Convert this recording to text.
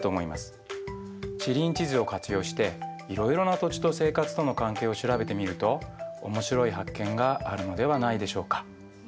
地理院地図を活用していろいろな土地と生活との関係を調べてみると面白い発見があるのではないでしょうか。